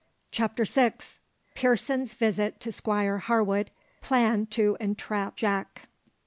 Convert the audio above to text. CHAPTER SIX. PEARSON'S VISIT TO SQUIRE HARWOOD PLAN TO ENTRAP JACK.